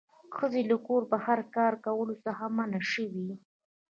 ښځې له کوره بهر کار کولو څخه منع شوې